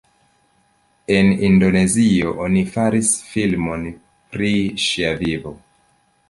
En Indonezio oni faris filmon pri ŝia vivo.